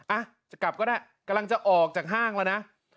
อ่ะจะกลับก็ได้กำลังจะออกจากห้างแล้วนะ